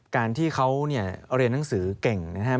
การที่เขาเนี่ยเอาเรียนหนังสือเก่งนะครับ